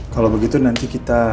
kalau begitu nanti kita